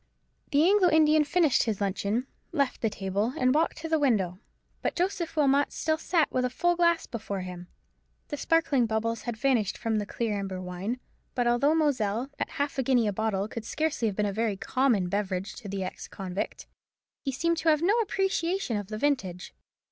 The Anglo Indian finished his luncheon, left the table, and walked to the window: but Joseph Wilmot still sat with a full glass before him. The sparkling bubbles had vanished from the clear amber wine; but although Moselle at half a guinea a bottle could scarcely have been a very common beverage to the ex convict, he seemed to have no appreciation of the vintage.